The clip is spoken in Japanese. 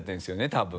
多分。